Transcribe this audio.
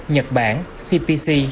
nhật bản cpc